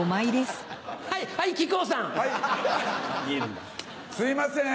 すいません